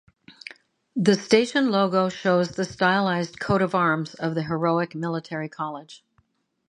The station logo shows the stylised coat of arms of the Heroic Military College.